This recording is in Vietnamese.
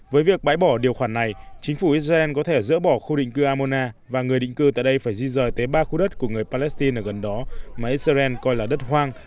với việc bãi bỏ điều khoản này chính phủ israel có thể dỡ bỏ khu định cư amona và người định cư tại đây phải di rời tới ba khu đất của người palestine ở gần đó mà israel coi là đất hoang